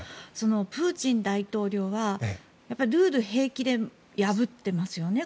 プーチン大統領は、ルールを平気で破っていますよね。